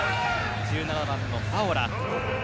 １７番のファオラ。